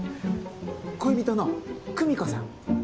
恋人の久美子さん。